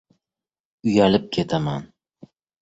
Uyalib ketaman.